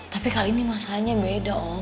tapi kali ini masalahnya beda om